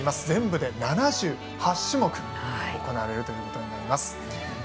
全部で７８種目行われることになります。